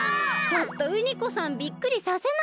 ちょっとウニコさんびっくりさせないで。